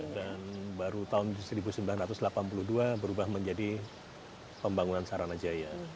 dan baru tahun seribu sembilan ratus delapan puluh dua berubah menjadi pembangunan saranaja